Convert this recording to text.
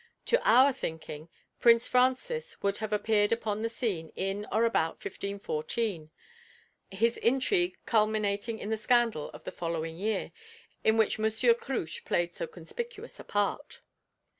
To our thinking Prince Francis would have appeared upon the scene in or about 1514, his intrigue culminating in the scandal of the following year, in which Mons. Cruche played so conspicuous a part.